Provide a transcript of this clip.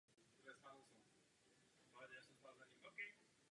Připsal si druhý deblový triumf sezóny a celkově osmý kariérní.